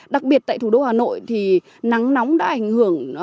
đặc biệt tại thủ đô hà nội thì nắng nóng đã ảnh hưởng